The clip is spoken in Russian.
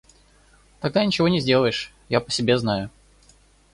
Тогда ничего не сделаешь, я по себе знаю.